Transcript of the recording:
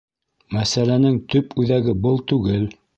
Мәсьәләнең төп үҙәге был түгел.